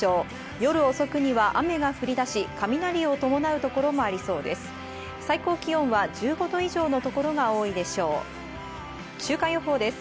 夜遅くには雨が降りだし、雷を伴うところもありそうです。